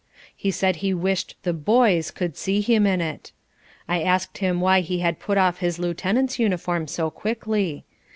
He said he wished the "boys" could see him in it. I asked him why he had put off his lieutenant's uniform so quickly.